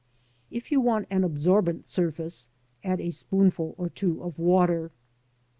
If you want an absorbent surface, add a spoonful or two of water.